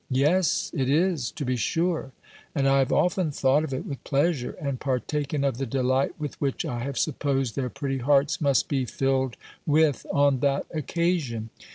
Yes, it is, to be sure! And I have often thought of it with pleasure, and partaken of the delight with which I have supposed their pretty hearts must be filled with on that occasion.